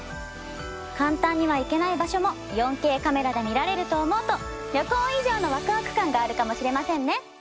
簡単には行けない場所も４Ｋカメラで見られると思うと旅行以上のワクワク感があるかもしれませんね！